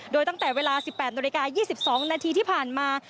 โดยตั้งแต่เวลา๑๘น๒๒นที่ผ่านมา